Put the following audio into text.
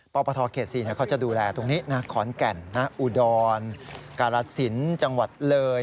ปปทเขต๔เขาจะดูแลตรงนี้นะขอนแก่นอุดรกาลสินจังหวัดเลย